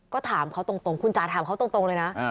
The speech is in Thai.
ก็ถามเขาตรงคุณจ๋าถามเขาตรงเลยนะ